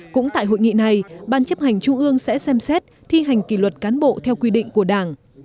cũng tại hội nghị này ban chấp hành trung ương sẽ xem xét thi hành kỷ luật cán bộ theo quy định của đảng